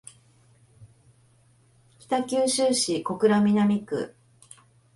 北九州市小倉南区